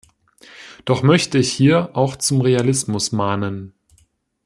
Doch möchte ich hier auch zum Realismus mahnen.